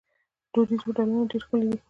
دودیز هوټلونه ډیر ښکلي دي.